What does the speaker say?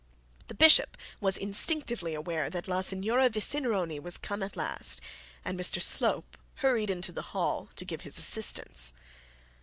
The bishop was instinctively aware, that La Signora Vicinironi was come at last, and Mr Slope hurried to the hall to give his assistance.